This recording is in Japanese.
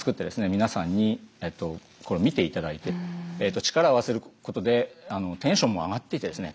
皆さんにこれを見て頂いて力を合わせることでテンションも上がっていってですね